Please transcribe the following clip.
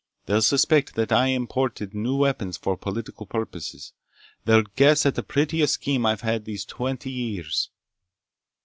They'll suspect that I imported new weapons for political purposes! They'll guess at the prettiest scheme I've had these twenty years!"